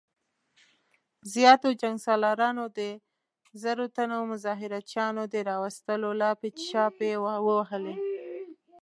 زياتو جنګ سالارانو د زرو تنو مظاهره چيانو د راوستلو لاپې شاپې ووهلې.